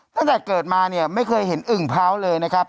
ตั้งแต่เกิดมาเนี่ยไม่เคยเห็นอึ่งพร้าวเลยนะครับ